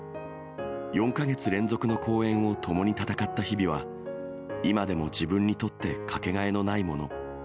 ４か月連続の公演を共に戦った日々は、今でも自分にとって掛けがえのないもの。